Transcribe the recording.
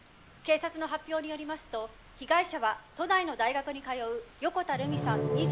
警察の発表によりますと被害者は都内の大学に通う横田留美さん